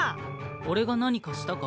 俺が何かしたか？